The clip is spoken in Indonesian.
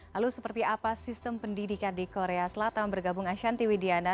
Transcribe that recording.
lalu seperti apa sistem pendidikan di korea selatan bergabung ashanti widiana